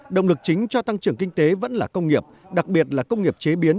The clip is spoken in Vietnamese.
động lực chính cho tăng trưởng kinh tế vẫn là công nghiệp đặc biệt là công nghiệp chế biến